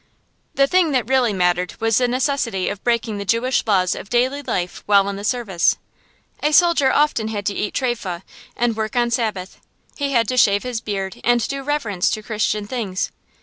The thing that really mattered was the necessity of breaking the Jewish laws of daily life while in the service. A soldier often had to eat trefah and work on Sabbath. He had to shave his beard and do reverence to Christian things.